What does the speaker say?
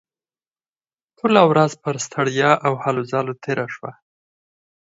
ټوله ورځ پر ستړیا او هلو ځلو تېره شوه